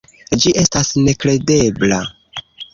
Ĝi estas nekredebla.